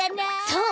そう！